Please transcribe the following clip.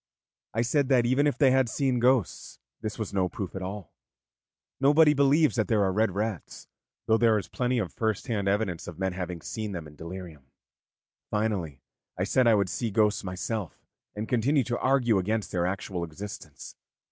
I said that even if they had seen ghosts, this was no proof at all; nobody believes that there are red rats, though there is plenty of first hand evidence of men having seen them in delirium. Finally, I said I would see ghosts myself, and continue to argue against their actual existence.